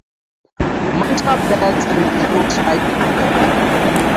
Munter bats and throws right-handed.